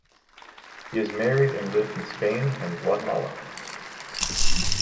He is married and lives in Spain and Guatemala.